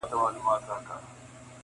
• بهار به راسي خو زه به نه یم -